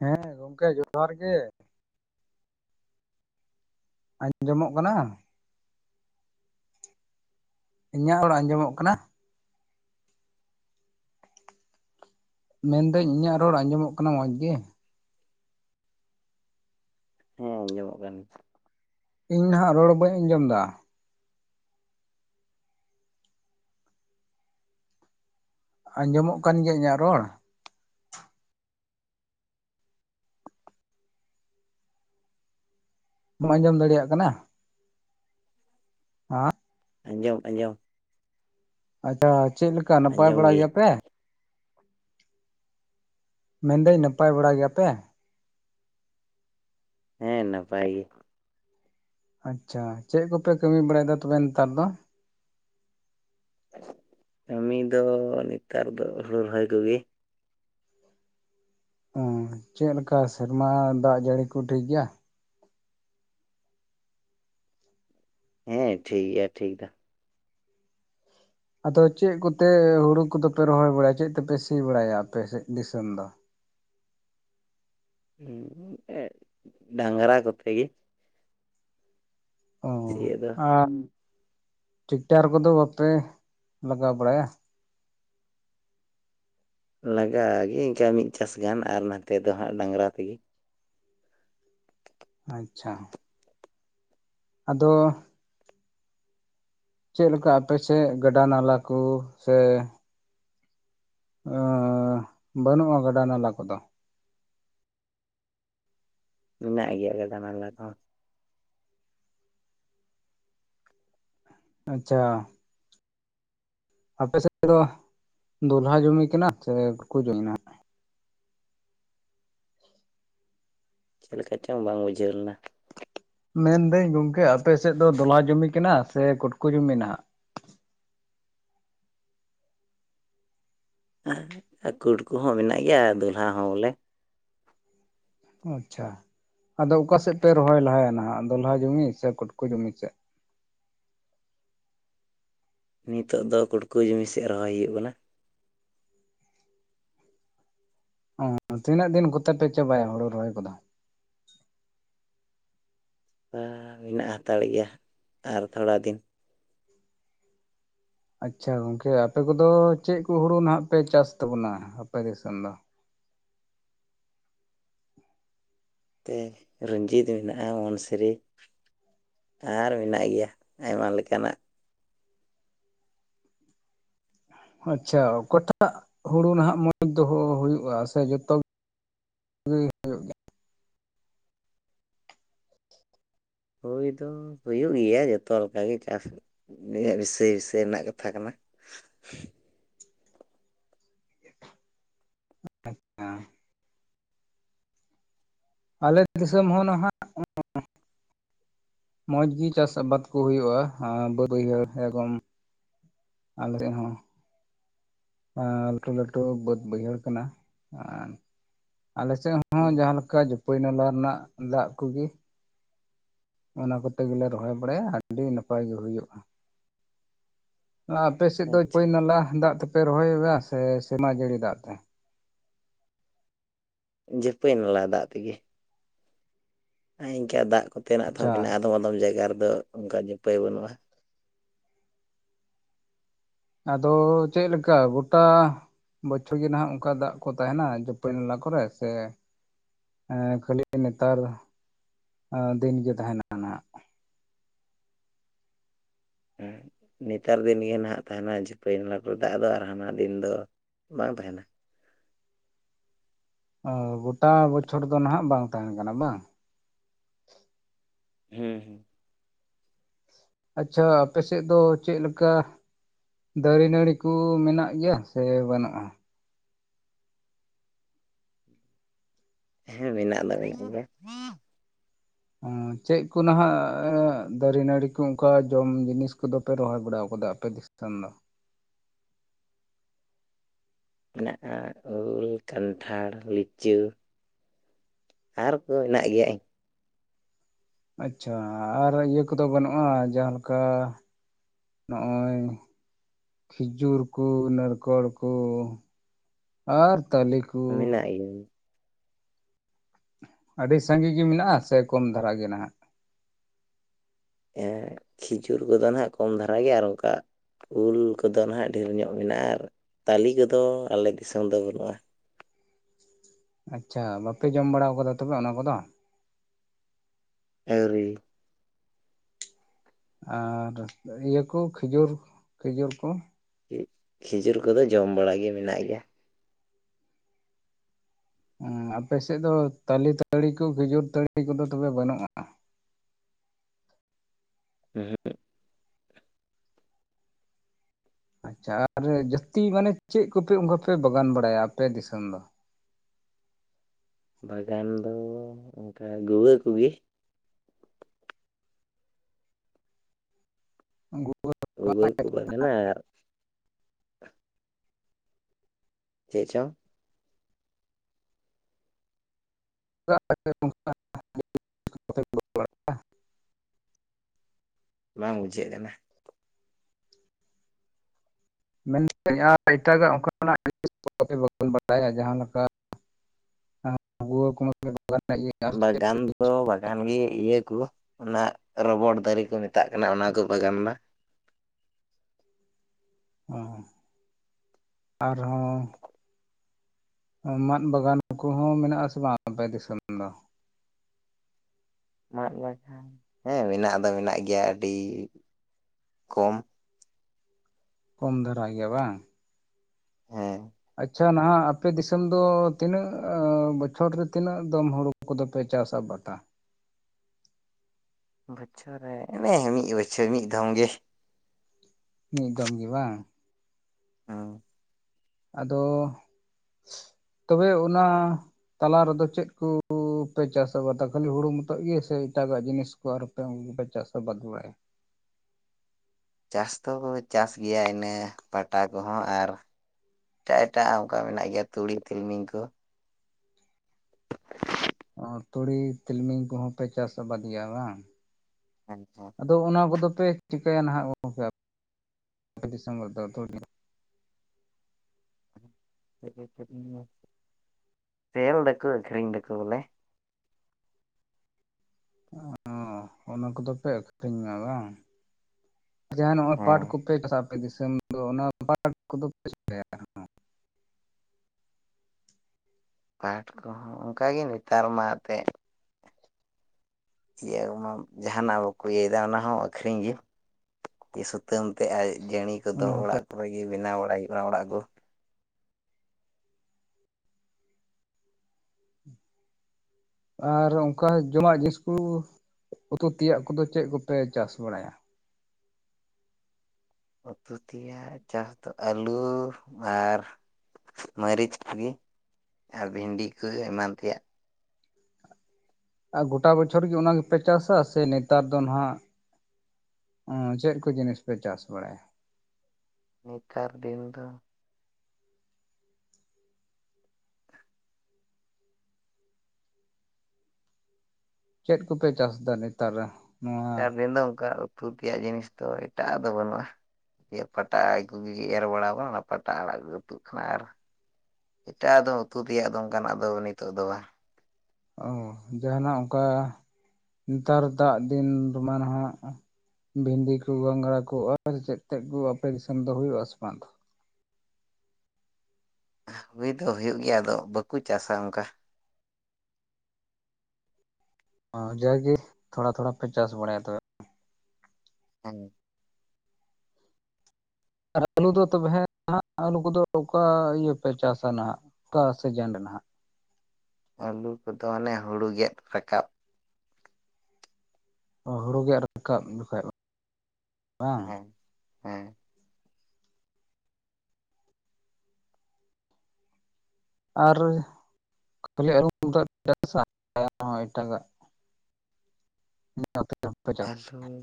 ᱦᱮᱸ ᱜᱚᱝᱠᱮ ᱡᱚᱦᱟᱨ ᱜᱮ ᱟᱸᱡᱚᱢᱚᱜ ᱠᱟᱱᱟ? ᱤᱧᱟᱹᱜ ᱨᱚᱲ ᱟᱸᱡᱚᱢᱚᱜ ᱠᱟᱱᱟ ᱢᱮᱱ ᱫᱟᱹᱧ ᱤᱧᱟᱹᱜ ᱨᱚᱲ ᱟᱸᱡᱚᱢᱚᱜ ᱠᱟᱱᱟ ᱢᱚᱸᱡᱽ ᱜᱮ ᱦᱮᱸ ᱟᱸᱡᱚᱢᱚᱜ ᱠᱟᱱ ᱜᱮᱭᱟ᱾ ᱤᱧ ᱱᱟᱦᱟᱜ ᱨᱚᱲ ᱵᱟᱹᱧ ᱟᱸᱡᱚᱢ ᱮᱫᱟ᱾ ᱟᱸᱡᱚᱢᱚᱜ ᱠᱟᱱ ᱜᱮᱭᱟ ᱤᱧᱟᱹᱜ ᱨᱚᱲ ᱵᱟᱢ ᱟᱸᱡᱚᱢ ᱫᱟᱲᱮᱭᱟᱜ ᱠᱟᱱᱟ [unintelligible] ᱟᱱᱡᱚᱢ ᱟᱱᱡᱚᱢ ᱟᱪᱪᱷᱟ ᱪᱮᱫ ᱞᱮᱠᱟ ᱱᱟᱯᱟᱭ ᱟᱸᱡᱚᱢ ᱵᱟᱲᱟ ᱜᱮ ᱜᱮᱭᱟᱯᱮ? ᱢᱮᱱᱫᱟᱹᱧ ᱱᱟᱯᱟᱭ ᱵᱟᱲᱟ ᱜᱮᱭᱟᱯᱮ? ᱦᱮᱸ ᱱᱟᱯᱟᱭ ᱜᱮ᱾ ᱟᱪᱪᱷᱟ ᱪᱮᱫ ᱠᱚᱯᱮ ᱠᱟᱹᱢᱤ ᱵᱟᱲᱟᱭᱮᱫᱟ ᱛᱚᱵᱮ ᱱᱮᱛᱟᱨ ᱫᱚ? ᱠᱟᱹᱢᱤ ᱫᱚ ᱱᱮᱛᱟᱨ ᱫᱚ ᱦᱩᱲᱩ ᱨᱚᱦᱚᱭ ᱠᱚ ᱜᱮ᱾ ᱚ ᱪᱮᱫᱮᱠᱟ ᱥᱮᱨᱢᱟ ᱫᱟᱜ ᱡᱟᱹᱲᱤ ᱠᱚ ᱴᱷᱤᱠᱜᱭᱟ? ᱦᱮᱸ ᱴᱷᱤᱠ ᱜᱮᱭᱟ ᱴᱷᱤᱠ ᱫᱚ ᱟᱫᱚ ᱪᱮᱫ ᱠᱚᱛᱮ ᱦᱩᱲᱩ ᱠᱚᱫᱚᱯᱮ ᱨᱚᱦᱚᱭ ᱵᱟᱲᱟᱭᱟ ᱪᱮᱫ ᱛᱮᱯᱮ ᱥᱤ ᱵᱟᱲᱟᱭᱟ ᱟᱯᱮ ᱥᱮᱫ ᱫᱤᱥᱚᱢ ᱫᱚ? ᱰᱟᱝᱨᱟ ᱠᱚᱛᱮ ᱜᱮ ᱚ ᱥᱤᱭᱳᱜ ᱫᱚ ᱟᱨ ᱴᱷᱤᱠᱴᱷᱟᱠ ᱠᱚᱫᱚ ᱵᱟᱯᱮ ᱞᱟᱜᱟᱣ ᱵᱟᱲᱟᱭᱟ? ᱞᱟᱜᱟᱜ ᱜᱮ ᱤᱱᱠᱟᱹ ᱢᱤᱫ ᱪᱟᱥ ᱜᱟᱱ ᱟᱨ ᱱᱚᱛᱮ ᱫᱚ ᱦᱟᱸᱜ ᱰᱟᱝᱨᱟ ᱛᱮᱜᱮ᱾ ᱟᱪᱪᱷᱟ ᱟᱫᱚ ᱪᱮᱫ ᱞᱮᱠᱟ ᱟᱯᱮᱥᱮᱫ ᱜᱟᱰᱟ ᱱᱟᱞᱟ ᱠᱚ ᱥᱮ ᱚ ᱵᱟᱹᱱᱩᱜᱼᱟ ᱜᱟᱰᱟ ᱱᱟᱞᱟ ᱠᱚᱫᱚ ᱢᱮᱱᱟᱜ ᱜᱮᱭᱟ ᱜᱟᱫᱟ ᱱᱟᱞᱟ ᱠᱚᱦᱚᱸ ᱟᱪᱪᱷᱟ ᱟᱯᱮᱥᱮᱫ ᱫᱚ ᱫᱩᱞᱦᱟ ᱡᱚᱢᱤ ᱠᱟᱱᱟ ᱥᱮ ᱠᱩᱡᱠᱚ ᱡᱚᱢᱤ ᱱᱟᱦᱟᱜ ᱪᱮᱫ ᱞᱮᱠᱟ ᱪᱚᱝ ᱵᱟᱝ ᱵᱩᱡᱷᱟᱹᱣ ᱞᱮᱱᱟ? ᱢᱮᱱᱫᱟᱹᱧ ᱜᱚᱝᱠᱮ ᱟᱯᱮ ᱥᱮᱫ ᱫᱚ ᱫᱚᱞᱟᱣ ᱡᱚᱢᱤ ᱠᱟᱱᱟ ᱥᱮ ᱠᱩᱴᱠᱩᱡ ᱡᱚᱢᱤ ᱱᱟᱦᱟᱜ ᱟᱠᱩᱴ ᱠᱚᱦᱚᱸ ᱢᱮᱱᱟᱜ ᱜᱮᱭᱟ ᱫᱩᱞᱦᱟ ᱦᱚᱸ ᱵᱚᱞᱮ᱾ ᱟᱪᱪᱷᱟ ᱟᱫᱚ ᱚᱠᱟ ᱥᱮᱫ ᱯᱮ ᱨᱚᱦᱚᱭ ᱞᱟᱦᱟᱭᱟ ᱱᱟᱦᱟᱜ ᱫᱚᱞᱦᱟ ᱡᱚᱢᱤ ᱥᱮ ᱠᱚᱴᱠᱚ ᱡᱚᱢᱤ ᱥᱮᱫ? ᱱᱤᱛᱚᱜ ᱫᱚ ᱠᱩᱴᱠᱩ ᱡᱩᱢᱤ ᱥᱮᱫ ᱨᱚᱦᱚᱭ ᱦᱩᱭᱩᱜ ᱠᱟᱱᱟ᱾ ᱚ ᱛᱤᱱᱟᱹᱜ ᱫᱤᱱ ᱠᱚᱛᱮ ᱯᱮ ᱪᱟᱵᱟᱭᱟ ᱦᱩᱲᱩ ᱨᱚᱦᱚᱭ ᱠᱚᱫᱚ? ᱢᱮᱱᱟᱜ ᱦᱟᱛᱟᱲ ᱜᱮᱭᱟ ᱟᱨ ᱛᱷᱚᱲᱟ ᱫᱤᱱ᱾ ᱟᱪᱪᱷᱟ ᱜᱚᱝᱠᱮ ᱟᱯᱮ ᱠᱚᱫᱚ ᱪᱮᱫ ᱠᱚ ᱦᱩᱲᱩ ᱱᱟᱦᱟᱜ ᱯᱮ ᱪᱟᱥ ᱛᱟᱵᱚᱱᱟ ᱟᱯᱮ ᱫᱤᱥᱚᱢ ᱫᱚ? ᱛᱮ ᱨᱚᱧᱡᱤᱛ ᱢᱮᱱᱟᱜᱼᱟ ᱢᱚᱱᱥᱨᱤ ᱟᱨ ᱢᱮᱱᱟᱜ ᱜᱮᱭᱟ ᱟᱭᱢᱟ ᱞᱮᱠᱟᱱᱟᱜ᱾ ᱟᱪᱪᱷᱟ ᱚᱠᱟᱴᱟᱜ ᱦᱩᱲᱩ ᱱᱟᱦᱟᱜ ᱢᱚᱸᱡᱽ ᱫᱚᱦᱚ ᱦᱩᱭᱩᱜᱼᱟ ᱥᱮ ᱡᱚᱛᱚ [inaudible] ᱦᱩᱭ ᱫᱚ ᱦᱩᱭᱩᱜ ᱜᱮᱭᱟ ᱡᱚᱛᱚ ᱞᱮᱠᱟᱜ ᱜᱮ ᱪᱟᱥ ᱵᱤᱥᱤᱥᱟᱹᱭᱵᱤᱥᱟᱹᱭ ᱨᱮᱱᱟᱜ ᱠᱟᱛᱷᱟ ᱠᱟᱱᱟ᱾ ᱟᱪᱪᱷᱟ [inaudible] ᱟᱞᱮ ᱫᱤᱥᱚᱢ ᱦᱚᱸ ᱱᱟᱦᱟᱜ [inaudible] ᱢᱚᱸᱡᱽᱜᱤ ᱪᱟᱥ ᱟᱵᱟᱫ ᱠᱚ ᱦᱩᱭᱩᱜᱭᱼᱟ ᱵᱟᱹᱫ ᱵᱟᱹᱭᱦᱟᱹᱲ ᱮᱜᱚᱢ [inaudible] ᱟᱢᱨᱮ ᱦᱚᱸ ᱞᱟᱹᱴᱩ ᱞᱟᱹᱴᱩ ᱵᱟᱹᱫ ᱵᱟᱹᱭᱦᱟᱹᱲ ᱠᱟᱱᱟ ᱟᱨ ᱟᱞᱮ ᱥᱮᱫ ᱦᱩᱸ ᱦᱚᱸ ᱡᱟᱦᱟᱸᱮᱠᱟ ᱚᱠᱟ ᱡᱚᱯᱟᱹᱭ ᱱᱚᱣᱟ ᱨᱮᱱᱟᱜ ᱫᱟᱜ ᱠᱚᱜᱮ ᱚᱱᱟ ᱠᱚᱛᱮ ᱜᱮᱞᱮ ᱨᱚᱦᱚᱭ ᱵᱟᱲᱟᱭᱟ ᱟᱹᱰᱤ ᱱᱟᱯᱟᱭ ᱜᱮ ᱦᱩᱭᱩᱜᱼᱟ᱾ ᱟᱯᱮ ᱥᱮᱫ ᱫᱚ ᱟᱪᱪᱷᱟ ᱯᱟᱹᱭ ᱱᱟᱞᱟ ᱫᱟᱜ ᱛᱮᱯᱮ ᱨᱚᱦᱚᱭᱮᱫᱟ ᱥᱮ ᱥᱮᱨᱢᱟ ᱡᱟᱹᱲᱤ ᱫᱟᱜ ᱛᱮ? ᱡᱟᱹᱯᱟᱹᱭ ᱱᱟᱞ ᱫᱟᱜ ᱛᱮᱜᱮ ᱤᱱᱠᱟ ᱫᱟᱜ ᱠᱚᱛᱮᱱᱟᱜ ᱫᱚ ᱟᱪᱪᱷᱟ ᱢᱮᱱᱟᱜᱼᱟ ᱟᱫᱚᱢ ᱟᱫᱚᱢ ᱡᱟᱭᱜᱟ ᱨᱮᱫᱚ ᱚᱱᱠᱟ ᱡᱟᱹᱯᱟᱹᱭ ᱵᱟᱹᱱᱩᱜᱼᱟ᱾ ᱟᱫᱚᱻ ᱪᱮᱫ ᱞᱮᱠᱟ ᱜᱚᱴᱟᱻ ᱵᱚᱪᱷᱚᱨ ᱜᱮ ᱱᱟᱦᱟᱜ ᱚᱱᱠᱟ ᱫᱟᱜ ᱠᱚ ᱛᱟᱦᱮᱱᱟ ᱡᱚᱯᱟᱹᱭ ᱱᱟᱞᱟ ᱠᱚᱨᱮ ᱥᱮ ᱮᱸᱻ ᱠᱷᱟᱹᱞᱤ ᱱᱮᱛᱟᱨ ᱫᱤᱱ ᱜᱮ ᱛᱟᱦᱮᱱᱟ ᱚᱱᱟᱱᱟᱜ ᱱᱮᱛᱟᱨ ᱫᱤᱱ ᱜᱮ ᱱᱟᱦᱟᱜ ᱛᱟᱦᱮᱱᱟ ᱡᱷᱤᱯᱟᱹᱭ ᱱᱟᱞᱟᱴ ᱨᱮ ᱫᱟᱜ ᱫᱚ ᱟᱨ ᱦᱟᱱᱟ ᱫᱤᱱ ᱫᱚ ᱵᱟᱝ ᱛᱟᱦᱮᱱᱟ ᱚ ᱜᱚᱴᱟ ᱵᱚᱪᱷᱚᱨ ᱫᱚ ᱱᱟᱦᱟᱜ ᱵᱟᱝ ᱛᱟᱦᱮᱱ ᱠᱟᱱᱟ ᱵᱟᱝ ᱦᱮᱸ ᱟᱪᱪᱷᱟ ᱟᱯᱮᱥᱮᱫ ᱫᱚ ᱪᱮᱫ ᱞᱮᱠᱟ ᱫᱟᱨᱮ ᱱᱟᱹᱲᱤ ᱠᱚ ᱢᱮᱱᱟᱜ ᱜᱮᱭᱟ ᱥᱮ ᱵᱟᱹᱱᱩᱜ-ᱟ? ᱦᱮᱸ, ᱢᱮᱱᱟᱜ ᱫᱚ, ᱢᱮᱱᱟᱜ ᱜᱮᱭᱟ ᱮᱸᱻ ᱪᱮᱫ ᱠᱚ ᱱᱷᱟᱸᱜ, ᱟ- ᱟᱸᱻᱫᱟᱨᱤ ᱱᱟᱹᱲᱤ ᱠᱚ, ᱚᱱᱠᱟ ᱡᱚᱢ ᱡᱤᱱᱤᱥ ᱠᱚᱫᱚ, ᱯᱮ, ᱨᱚᱦᱚᱭ ᱵᱟᱲᱟ ᱟᱠᱟᱫᱟ, ᱟᱯᱮ ᱫᱚ ᱟᱥᱛᱟᱱ, ᱱᱚ ᱢᱮᱱᱟᱜᱼᱟ, ᱩᱞ, ᱠᱟᱱᱴᱷᱟᱲ, ᱞᱤᱪᱩ ᱟᱨᱠᱚ, ᱦᱮᱱᱟᱜ ᱜᱮᱭᱟ ᱤᱧ ᱟᱪᱪᱷᱟ ᱟᱨ ᱤᱭᱟᱹ ᱠᱚᱫᱚ ᱵᱟᱹᱱᱩᱜ-ᱟ ᱡᱟᱦᱟᱸᱞᱮᱠᱟ ᱱᱚᱜ-ᱚᱭ [unintelligible] ᱾ ᱠᱷᱤᱡᱩᱨ ᱠᱚ ᱱᱟᱲᱠᱳᱞ ᱠᱚ ᱟᱨ ᱛᱟᱞᱮ ᱠ ᱢᱮᱱᱟᱜ ᱜᱤᱭᱟᱹᱧ᱾ ᱟᱹᱰᱤ ᱥᱟᱸᱜᱤ ᱜᱮ ᱢᱮᱱᱟᱜ-ᱟ ᱥᱮ ᱠᱚᱢ ᱫᱷᱟᱨᱟ ᱜᱮ ᱱᱟᱦᱟᱜ? ᱮ ᱠᱷᱤᱡᱩᱨ ᱠᱚᱫᱚ ᱱᱟᱦᱟᱜ ᱠᱚᱢ ᱫᱷᱟᱨᱟ ᱜᱮᱭᱟ ᱟᱨ ᱚᱱᱠᱟ ᱩᱞ ᱠᱚᱫᱚ ᱱᱟᱦᱟᱜ ᱰᱷᱮᱨ ᱧᱚᱜ ᱢᱮᱱᱟᱜ-ᱟ ᱟᱨ ᱛᱟᱞᱤ ᱠᱚᱫᱚ ᱟᱞᱮ ᱫᱤᱥᱚᱢ ᱫᱚ ᱵᱟᱹᱱᱩᱜ-ᱟ᱾ ᱟᱪᱪᱷᱟ ᱵᱟᱯᱮ ᱡᱚᱢ ᱵᱟᱲᱟᱣ ᱠᱟᱫᱟ ᱛᱚᱵᱮ ᱚᱱᱟ ᱠᱚᱫᱚ? ᱟᱹᱣᱨᱤ᱾ ᱟᱨ ᱤᱭᱟᱹ, ᱠᱚ ᱠᱷᱤᱡᱩᱨ, ᱠᱷᱤᱡᱩᱨ ᱠᱚ [unintelligible] ᱠᱷᱤᱡᱩᱨ ᱠᱚᱫᱚ, ᱡᱚᱢ ᱵᱟᱲᱟ ᱜᱮ, ᱢᱮᱱᱟᱜ ᱜᱮᱭᱟ ᱩᱸᱼ ᱟᱯᱮ ᱥᱮᱫ ᱫᱚ, ᱛᱟᱞᱮ ᱛᱟᱹᱲᱤ ᱠᱚ, ᱠᱷᱤᱡᱩᱨ ᱛᱟᱹᱲᱤ ᱠᱚᱫᱚ, ᱛᱚᱵᱮ ᱵᱟᱹᱱᱩᱜᱼᱟ? ᱩᱸ ᱦᱩᱸ [unintelligible] ᱾ ᱟᱪᱪᱷᱟ ᱟᱨ ᱡᱟᱹᱥᱛᱤ ᱢᱟᱱᱮ ᱪᱮᱫ ᱠᱚᱯᱮ ᱚᱱᱠᱟᱯᱮ ᱵᱟᱜᱟᱱ ᱵᱟᱲᱟᱭᱟ ᱟᱯᱮ ᱫᱤᱥᱚᱢ ᱫᱚ? ᱵᱟᱜᱟᱱ ᱫᱚ ᱚᱱᱠᱟ ᱜᱩᱣᱟᱹ ᱠᱚᱜᱮ᱾ ᱟᱝᱜᱩ [unintelligible] ᱾ ᱩᱵᱟᱹ ᱠᱚᱵ ᱠᱟᱱᱟᱨ [unintelligible] ᱾ ᱪᱮᱜ ᱪᱚᱝ᱾ [inaudible] [unintelligible] ᱵᱟᱝ ᱵᱩᱡᱷᱟᱹᱜ ᱠᱟᱱᱟ? ᱢᱮᱱᱫᱟᱹᱧ ᱟᱨ ᱮᱴᱟᱜᱟᱜ ᱚᱱᱠᱟᱱᱟᱜ ᱵᱟᱹᱵᱤᱱ ᱵᱟᱰᱟᱭᱟ ᱡᱟᱦᱟᱸ ᱞᱮᱠᱟ ᱾ ᱟᱸ ᱜᱩᱟᱹ ᱠᱚᱢᱟ ᱢᱮ ᱵᱟᱯᱞᱟ ᱨᱮᱱᱟᱜ, ᱤᱭᱟᱹ ᱵᱟᱜᱟᱱ ᱫᱚ ᱵᱟᱝ ᱛᱟᱦᱮᱱ ᱜᱮ ᱤᱭᱟᱹ ᱠᱚ, ᱚᱱᱟ ᱨᱚᱵᱚᱲ ᱫᱟᱨᱮ ᱠᱚ, ᱢᱮᱛᱟᱜ ᱠᱟᱱᱟ ᱾ ᱚᱱᱟ ᱠᱚ ᱵᱟᱜᱟᱱ ᱮᱱᱟ ᱚᱸᱻᱦᱚᱸ, ᱟᱨᱦᱚᱸ ᱢᱟᱫ ᱵᱟᱜᱟᱱ ᱠᱚᱦᱚᱸ, ᱢᱮᱱᱟᱜ ᱟᱥᱮ? ᱵᱟᱝ ᱟᱯᱮ ᱫᱤᱥᱚᱢ ᱫᱚ? ᱢᱮᱱᱟᱜ ᱜᱮᱭᱟ‌? ᱦᱮᱸ ᱢᱮᱱᱟᱜ ᱫᱚ ᱢᱮᱱᱟᱜ ᱜᱮᱭᱟ ᱟᱹᱰᱤ ᱠᱚᱢ ᱠᱚᱢ ᱫᱷᱟᱨᱟ ᱜᱮᱭᱟ ᱵᱟᱝ? ᱦᱮᱸ ᱟᱪᱪᱷᱟ ᱱᱟᱦᱟᱜ ᱟᱯᱮ ᱫᱤᱥᱚᱢ ᱫᱚ ᱛᱤᱱᱟᱹᱜ ᱵᱚᱪᱷᱚᱨ ᱨᱮ ᱛᱤᱱᱟᱹᱜ ᱫᱚᱢ ᱦᱩᱲᱩ ᱠᱚᱫᱚ ᱯᱮ ᱪᱟᱥ ᱟᱵᱟᱫ-ᱟ᱾ ᱵᱚᱪᱷᱚᱨ ᱨᱮ ᱚᱱᱮ ᱢᱤᱫ ᱵᱚᱪᱷᱚᱨ ᱢᱤᱫ ᱫᱷᱟᱣ ᱜᱮ ᱢᱤᱫ ᱫᱚᱢ ᱜᱮ ᱵᱟᱝ? ᱦᱚᱸ, ᱟᱫᱚ ᱛᱚᱵᱮ ᱚᱱᱟ ᱛᱟᱞᱟ ᱨᱮᱫᱚ ᱪᱮᱫ ᱠᱩᱯᱮ ᱪᱟᱥ ᱟᱵᱟᱫᱟ ᱠᱷᱟᱹᱞᱤ ᱦᱩᱨᱩ ᱢᱚᱛᱚ ᱜᱮ ᱥᱮ ᱮᱴᱟᱜᱟᱜ ᱡᱤᱱᱤᱥ ᱡᱤᱱᱤᱥ ᱦᱚᱲ ᱫᱚᱢ ᱪᱟᱪᱟᱥ ᱟᱵᱟᱫ ᱵᱟᱲᱟᱭᱟ᱾ ᱪᱟᱥ ᱫᱚᱠᱚ ᱪᱟᱥ ᱜᱮᱭᱟ ᱤᱱᱟᱹ ᱯᱟᱴᱟ ᱠᱚᱦᱚ ᱟᱨ ᱮᱴᱟᱜ ᱮᱴᱟᱜ ᱚᱱᱠᱟ ᱢᱮᱱᱟᱜ ᱜᱮᱭᱟ ᱛᱩᱲᱤ ᱛᱤᱞᱢᱤᱧ ᱠᱚ᱾ ᱚ ᱛᱩᱲᱤ ᱛᱤᱞᱢᱤᱧ ᱠᱚᱦᱚ ᱯᱮ ᱪᱟᱥ ᱟᱵᱟᱫ ᱜᱮᱭᱟ ᱵᱟᱝ ᱮᱱ ᱛᱷᱚ ᱟᱫᱚ ᱚᱱᱟ ᱠᱚᱫᱚᱯᱮ ᱪᱤᱠᱟᱹᱭᱟ ᱱᱟᱦᱟᱜ ᱟᱯᱮ ᱫᱤᱥᱚᱢ ᱨᱮᱫᱚ ᱥᱮᱞ ᱫᱟᱠᱚ ᱟᱹᱠᱷᱨᱤᱧ ᱫᱚᱠᱚ ᱵᱚᱞᱮ ᱚ ᱚᱱᱟ ᱠᱚᱫᱚ ᱯᱮ ᱟᱹᱠᱷᱨᱤᱧᱟ ᱵᱟᱝ ᱡᱟᱦᱟᱸ ᱱᱚᱣᱟ ᱯᱟᱴ ᱦᱮᱸ ᱠᱚᱯᱮ ᱪᱟᱥᱟ ᱟᱯᱮ ᱫᱤᱥᱚᱢ ᱫᱚ ᱚᱱᱟ ᱯᱟᱴ ᱠᱚᱫᱚ ᱯᱮ ᱪᱤᱠᱭᱟ ᱯᱟᱴ ᱠᱚᱦᱚᱸ ᱚᱱᱠᱟᱜᱮ ᱱᱮᱛᱟᱨ ᱢᱟ ᱛᱮᱜ ᱤᱭᱟ ᱚᱱᱟ ᱡᱟᱦᱟᱱᱟᱜ ᱵᱟᱠᱚ ᱤᱭᱟᱹᱭᱮᱫᱟ ᱚᱱᱟ ᱦᱚᱸ ᱟᱹᱠᱷᱨᱤᱧ ᱜᱮ [unintelligible] ᱛᱟᱹᱢ ᱛᱮ ᱟᱭ ᱡᱟᱹᱲᱤ ᱠᱚᱫᱚ ᱚᱱᱟ ᱦᱚᱸᱯᱮ ᱚᱲᱟᱜ ᱠᱚᱨᱮᱜᱮ ᱵᱮᱱᱟᱣ ᱵᱟᱲᱟᱭ ᱦᱩᱭᱩᱜᱼᱟ ᱚᱲᱟᱜ ᱠᱚ ᱟᱨ ᱚᱱᱠᱟ ᱡᱚᱢᱟᱜ ᱡᱤᱱᱤᱥ ᱠᱩ ᱩᱛᱩ ᱛᱮᱭᱟᱜ ᱠᱚᱫᱚ ᱪᱮᱫ ᱠᱚᱯᱮ ᱪᱟᱥ ᱵᱟᱲᱟᱭᱟ ᱩᱛᱩ ᱛᱮᱭᱟᱜ ᱪᱟᱥ ᱫᱚ ᱟᱹᱞᱩ ᱟᱨ ᱢᱟᱹᱨᱤᱪ ᱠᱚᱜᱤ ᱟᱨ ᱵᱷᱮᱱᱰᱤ ᱠᱚ ᱮᱢᱟᱱ ᱛᱮᱭᱟᱜ ᱾ ᱟᱨ ᱜᱚᱴᱟ ᱵᱚᱪᱷᱚᱨ ᱜᱮ ᱚᱱᱟ ᱜᱮᱯᱮ ᱪᱟᱥᱟ ᱥᱮ ᱱᱮᱛᱟᱨ ᱫᱚ ᱱᱟᱦᱟᱜ ᱦᱚᱸ ᱪᱮᱫ ᱠᱚ ᱡᱤᱱᱤᱥ ᱯᱮ ᱪᱟᱥ ᱵᱟᱲᱟᱭᱟ ᱱᱮᱛᱟᱨ ᱫᱤᱱ ᱫᱚ ᱪᱮᱫ ᱠᱚᱯᱮ ᱪᱟᱥ ᱫᱟ ᱱᱮᱛᱟᱨ? ᱱᱚᱣᱟ ᱟᱨ ᱫᱤᱱ ᱫᱚ ᱚᱱᱠᱟ ᱩᱛᱩ ᱛᱮᱭᱟᱜ ᱡᱤᱱᱤᱥ ᱫᱚ ᱮᱴᱟᱜ ᱟᱜ ᱫᱚ ᱵᱟᱹᱱᱩᱜᱼᱟ ᱤᱭᱟᱜ ᱯᱟᱴᱟ ᱟᱭ ᱠᱚᱜᱮ ᱮᱨ ᱵᱟᱲᱟᱣ ᱚᱱᱟ ᱯᱟᱴᱟ ᱟᱲᱟᱜ ᱜᱮ ᱩᱛᱩᱜ ᱠᱟᱱᱟ ᱟᱨ ᱮᱴᱟᱜᱟᱜ ᱫᱚ ᱩᱛᱩ ᱛᱮᱭᱟᱜ ᱫᱚ ᱚᱝᱠᱟᱱᱟᱜ ᱫᱚ ᱱᱤᱛᱚᱜ ᱫᱚ ᱵᱟᱝ ᱚ ᱡᱟᱦᱟᱱᱟᱜ ᱚᱱᱠᱟ ᱱᱮᱛᱟᱨ ᱫᱟᱜ ᱫᱤᱱ ᱨᱚᱢᱟ ᱦᱟᱜ ᱵᱷᱤᱱᱰᱤ ᱠᱩ ᱜᱷᱟᱸᱜᱨᱟ ᱠᱚ ᱟᱨ ᱪᱮᱫ ᱛᱮᱫ ᱠᱚ ᱚᱯᱮ ᱫᱤᱥᱚᱢ ᱫᱚ ᱦᱩᱭᱩᱜᱼᱟ ᱥᱮ ᱵᱟᱝ ᱦᱩᱭ ᱫᱚ ᱦᱩᱭᱩᱜ ᱜᱮᱭᱟ ᱟᱫᱚ ᱵᱟᱠᱚ ᱪᱟᱥᱟ ᱚᱱᱠᱟ ᱚ ᱡᱟᱣᱜᱮ ᱛᱷᱚᱲᱟ ᱛᱷᱚᱲᱟ ᱯᱮ ᱪᱟᱥ ᱵᱟᱲᱟᱭᱟ ᱛᱚᱵᱮ ᱾ ᱦᱮᱸᱧ ᱟᱨ ᱟᱹᱞᱩ ᱫᱚ ᱛᱚᱵᱮ ᱟᱹᱞᱩ ᱠᱚᱫᱚ ᱚᱠᱟ ᱤᱭᱟᱹ ᱯᱮ ᱪᱟᱥᱟ ᱱᱟᱦᱟᱜ ᱚᱠᱟ ᱥᱤᱡᱮᱱ ᱨᱮ ᱱᱟᱦᱟᱜ ᱟᱹᱞᱩ ᱠᱚᱫᱚ ᱚᱱᱮ ᱦᱩᱲᱩ ᱜᱮᱫ ᱨᱟᱠᱟᱵ ᱚ ᱦᱩᱲᱩ ᱜᱮᱫ ᱨᱟᱠᱟᱵ [unintelligible] ᱵᱟᱝ? ᱦᱮᱸ ᱦᱮᱸ ᱟᱨ ᱠᱷᱟᱹᱞᱤ [unintelligible] ᱪᱟᱥᱟ ᱟᱨᱦᱚ ᱮᱴᱟᱜᱟᱜ ᱦ ᱟᱨᱦᱚᱸ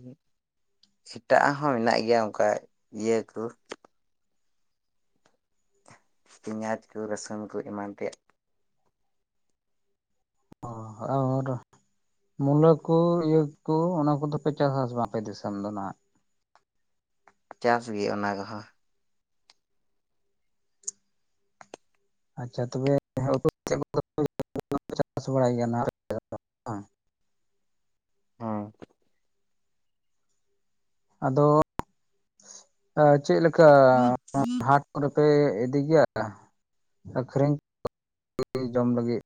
ᱮᱴᱟᱜ ᱦᱚᱸ ᱢᱮᱱᱟᱜ ᱜᱮᱭᱟ ᱚᱱᱠᱟ ᱤᱭᱟᱹ ᱠᱚ ᱯᱮᱸᱭᱟᱡᱽ ᱠᱚ ᱨᱟᱹᱥᱩᱱ ᱠᱚ ᱮᱢᱟᱱ ᱛᱮᱭᱟᱜ ᱚ ᱟᱨ ᱢᱩᱞᱟᱹ ᱠᱩ ᱤᱭᱟᱹ ᱠᱩ ᱚᱱᱟ ᱠᱚᱫᱚᱯᱮ ᱪᱟᱥ ᱟᱥᱮ ᱵᱟᱝ ᱟᱯᱮ ᱫᱤᱥᱚᱢ ᱫᱚ ᱱᱟᱜ ᱪᱟᱥ ᱜᱮ ᱚᱱᱟ ᱠᱚᱦᱚᱸ ᱟᱪᱷᱟ ᱛᱚᱵᱮ [unintelligible] ᱥᱮᱫ ᱠᱚ ᱪᱟᱥ ᱵᱟᱲᱟᱭᱟᱱᱟ ᱦᱮᱸ ᱟᱫᱚ ᱪᱮᱫ ᱞᱠᱟ ᱦᱟᱴ ᱦᱩᱲᱩ ᱯᱮ ᱤᱫᱤ ᱜᱮᱭᱟ ᱟᱹᱠᱷᱨᱤᱧ ᱡᱚᱢ ᱞᱟᱹᱜᱤᱫ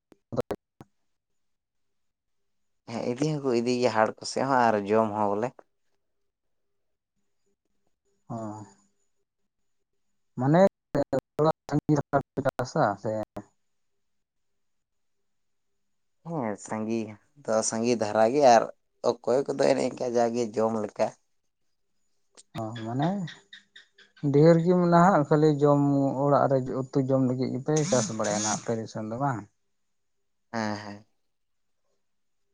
ᱦᱮᱸ ᱤᱫᱤ ᱦᱚᱸᱠᱚ ᱤᱫᱤᱜᱮᱭᱟ ᱦᱟᱴ ᱠᱚ ᱥᱮᱫ ᱦᱚᱸ ᱟᱨ ᱡᱚᱢ ᱦᱚᱸ ᱵᱚᱞᱮ ᱦ ᱢᱟᱱᱮ [unintelligible] ᱪᱟᱥᱟ ᱥᱮ ᱦᱮᱸ ᱥᱟᱺᱜᱤᱟ ᱛᱚ ᱥᱟᱸᱜᱮ ᱫᱷᱟᱨᱟ ᱜᱮ ᱟᱨ ᱚᱠᱚᱭ ᱠᱚᱫᱚ ᱮᱱᱮ ᱮᱱᱟ ᱡᱟᱜᱮ ᱡᱚᱢ ᱞᱮᱠᱟ ᱚ ᱢᱟᱱᱮ ᱰᱷᱮᱨ ᱜᱤ ᱢᱮᱱᱟᱜᱼᱟ ᱠᱷᱟᱹᱞᱤ ᱡᱚᱢ ᱚᱲᱟᱜ ᱨᱮ ᱩᱛᱩ ᱡᱚᱢ ᱞᱟᱹᱜᱤᱜ ᱜᱮᱯᱮ ᱪᱟᱥ ᱵᱟᱲᱟᱭᱟ ᱱᱟᱜ ᱟᱯᱮ [unintelligible] ᱫᱚ ᱵᱟᱝ ᱦᱮᱸ ᱦᱮᱸ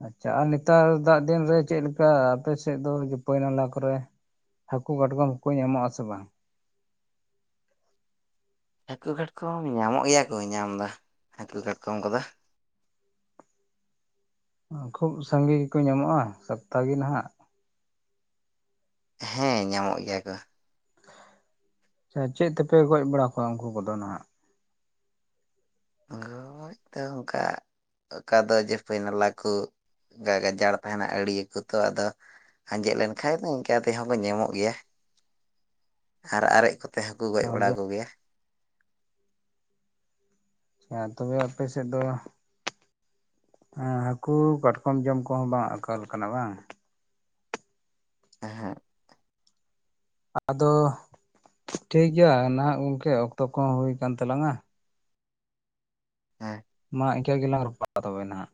ᱟᱪᱷᱟ ᱟᱨ ᱱᱮᱛᱟᱨ ᱫᱟᱜ ᱫᱤᱱ ᱨᱮ ᱪᱮᱫ ᱞᱮᱠᱟ ᱟᱯᱮ ᱥᱮᱫ ᱫᱚ ᱯᱟᱹᱭ ᱱᱟᱞᱟ ᱠᱚᱨᱮ ᱦᱟᱹᱠᱩ ᱠᱟᱴᱠᱚᱢ ᱠᱚ ᱧᱟᱢᱚᱜ ᱟᱥᱮ ᱵᱟᱝ ᱦᱟᱹᱠᱩ ᱠᱟᱴᱠᱚᱢ ᱧᱟᱢᱚᱜ ᱜᱮᱭᱟ ᱠᱚ ᱧᱟᱢ ᱫᱚ ᱦᱟᱹᱠᱩ ᱠᱟᱴᱠᱚᱢ ᱠᱚᱫᱚ ᱠᱷᱩᱵ ᱥᱟᱸᱜᱮ ᱜᱮᱠᱚ ᱧᱟᱢᱚᱜᱼᱟ ᱥᱚᱯᱛᱟ ᱜᱮ ᱱᱟᱦᱟᱜ ᱦᱮ ᱧᱟᱢᱚᱜ ᱜᱮᱭᱟ ᱠᱚ ᱥᱮ ᱪᱮᱫ ᱛᱮᱯᱮ ᱜᱚᱡ ᱵᱟᱲᱟ ᱠᱚᱣᱟ ᱩᱱᱠᱩ ᱠᱚᱫᱚ ᱱᱟᱦᱟᱜ ᱜᱚᱡ ᱫᱚ ᱚᱱᱠᱟ ᱚᱠᱟ ᱫᱚ ᱡᱮ ᱯᱟᱹᱭᱱᱟᱞᱟ ᱠᱚ ᱚᱝᱠᱟ ᱜᱟᱡᱟᱲ ᱛᱟᱦᱮᱱᱟ ᱟᱹᱬᱤᱭᱟᱹ ᱠᱚ ᱛᱚ ᱟᱫᱚ ᱟᱸᱡᱮᱫ ᱞᱮᱱᱠᱷᱟᱡ ᱫᱚ ᱤᱱᱠᱟᱹ ᱛᱮᱦᱚᱸ ᱠᱚ ᱧᱟᱢᱚᱜ ᱜᱮᱭᱟ ᱟᱨ ᱟᱨᱮᱡ ᱠᱚᱛᱮ ᱦᱚᱹᱠᱚ ᱜᱚᱡ ᱵᱟᱲᱟ ᱠᱚᱜᱮᱭᱟ ᱟᱨ ᱛᱚᱵᱮ ᱟᱯᱮ ᱥᱮᱫ ᱫᱚ ᱦᱮᱸ ᱦᱟᱹᱠᱩ ᱠᱟᱴᱠᱚᱢ ᱡᱚᱢ ᱠᱚᱦᱚᱸ ᱵᱟᱝ ᱟᱠᱟᱞ ᱟᱠᱟᱱᱟ ᱵᱟᱝ ᱮᱸᱦᱮᱸᱜ ᱟᱫᱚ ᱴᱷᱤᱠᱜᱭᱟ ᱱᱟᱦᱟᱜ ᱜᱚᱢᱠᱮ ᱚᱠᱛᱚ ᱠᱚᱦᱚᱸ ᱦᱩᱭᱠᱟᱱ ᱛᱟᱞᱟᱝᱟ ᱦᱮᱸ ᱢᱟ ᱤᱱᱠᱟᱹ ᱜᱮᱞᱟᱝ ᱨᱟᱯᱚᱲᱟ [unintelligible] ᱛᱚᱵᱮ ᱱᱟᱦᱟᱜ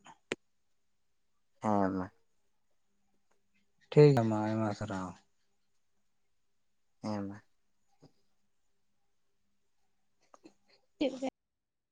ᱦᱮᱸ ᱢᱟ ᱴᱷᱤᱠ ᱜᱮᱭᱟ ᱢᱟ ᱟᱭᱢᱟ ᱥᱟᱨᱦᱟᱣ ᱦᱮᱸ ᱢᱟ ᱪᱤᱫ ᱞᱮᱠᱟ